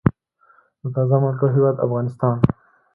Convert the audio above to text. د تازه مالټو هیواد افغانستان.